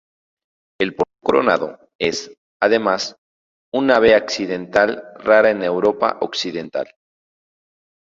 El porrón coronado es, además, un ave accidental rara en Europa Occidental.